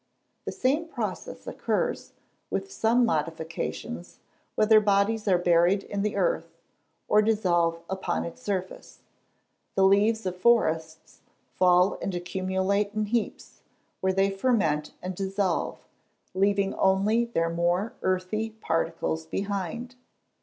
The same process occurs, with some modifications, whether bodies are buried in the earth, or dissolve upon its surface. The leaves of forests fall and accumulate in heaps, where they ferment and dissolve, leaving only their more earthy particles behind.